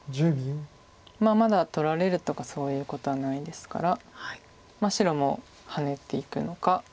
まだ取られるとかそういうことはないですから白もハネていくのか。